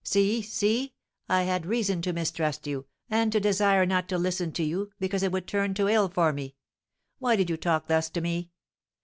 "See, see! I had reason to mistrust you, and to desire not to listen to you, because it would turn to ill for me! Why did you talk thus to me?